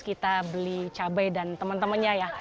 kita beli cabai dan temen temennya ya